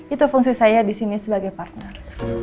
itu fungsi saya disini sebagai partner